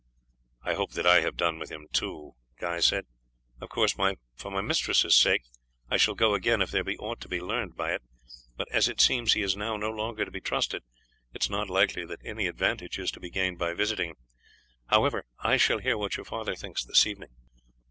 "I hope that I have done with him too," Guy said. "Of course, for my mistress's sake, I shall go again if there be aught to be learnt by it, but as it seems he is now no longer to be trusted it is not likely that any advantage is to be gained by visiting him. However, I shall hear what your father thinks this evening."